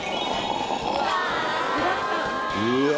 うわ